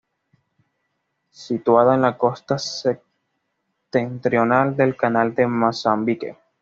Situada en la costa septentrional del canal de Mozambique.